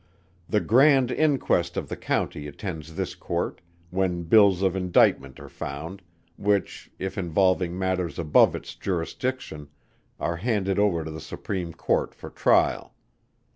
The Grand Inquest of the County attends this Court, when Bills of Indictment are found, which if involving matters above its Jurisdiction, are handed over to the Supreme Court for trial.